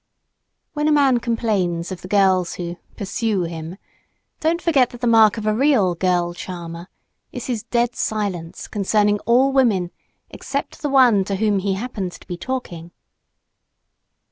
When a man complains of the girls who "pursue" him, don't forget that the mark of a real "girl charmer" is his dead silence concerning all women except the one to whom he happens to be talking.